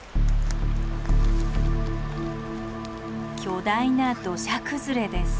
巨大な土砂崩れです。